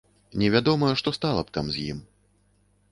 Невядома, што стала б там з ім.